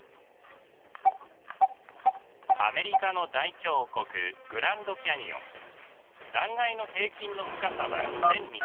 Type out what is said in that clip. アメリカの大峡谷断崖の平均の深さは１，２００ｍ。